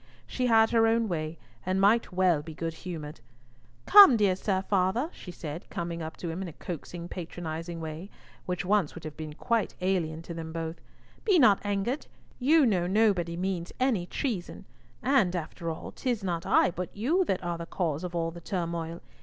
She had her own way, and might well be good humoured. "Come, dear sir father," she said, coming up to him in a coaxing, patronising way, which once would have been quite alien to them both, "be not angered. You know nobody means treason! And, after all, 'tis not I but you that are the cause of all the turmoil.